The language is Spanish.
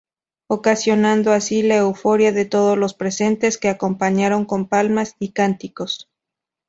Ocasionando así la euforia de todos los presentes, que acompañaron con palmas y cánticos.